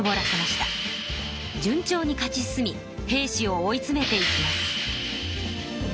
順調に勝ち進み平氏を追いつめていきます。